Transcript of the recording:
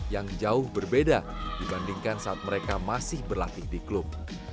yang jauh berbeda dibandingkan saat mereka masih berlatih di klub